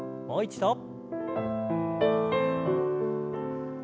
もう一度。